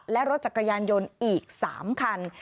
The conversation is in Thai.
และรถจักรยานยนต์อีก๓คัน